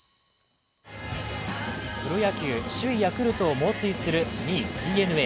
プロ野球、首位ヤクルトを猛追する２位・ＤｅＮＡ。